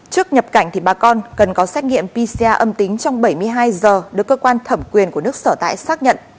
trước nhập cảnh thì bà con cần có xét nghiệm pc âm tính trong bảy mươi hai giờ được cơ quan thẩm quyền của nước sở tại xác nhận